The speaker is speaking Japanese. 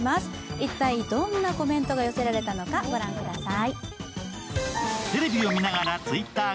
一体どんなコメントが寄せられたのか、御覧ください。